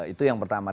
itu yang pertama